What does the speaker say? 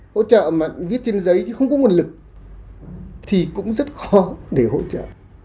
hỗ trợ mà viết trên giấy chứ không có nguồn lực thì cũng rất khó để hỗ trợ